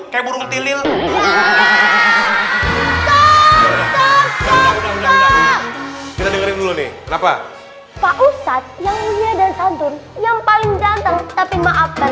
kita dengerin dulu nih kenapa pak ustadz yang punya dan santun yang paling ganteng tapi maafkan